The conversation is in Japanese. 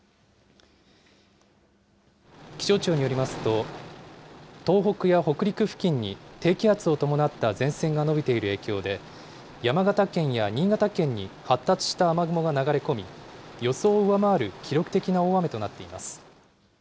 気象庁によりますと東北や北陸付近に低気圧を伴った前線が伸びている影響で山形県や新潟県に発達した雨雲が流れ込み予想を上回る記録的な大雨となっています。